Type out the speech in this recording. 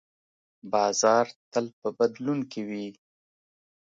بازار تل په بدلون کې وي.